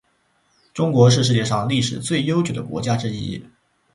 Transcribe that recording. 中国是世界上历史最悠久的国家之一。